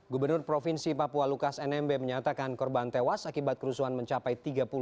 gubernur provinsi papua lukas nmb menyatakan korban tewas akibat kerusuhan mencapai tiga puluh lima